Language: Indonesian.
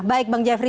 baik bang jeffrey